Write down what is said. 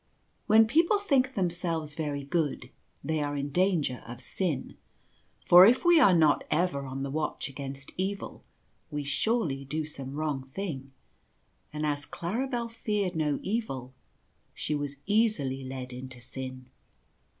When people think themselves very good they are in danger of sin, for if we are not ever on the watch against evil we surely do some wrong thing; and as Claribel feared no evil, she was easily led into sin.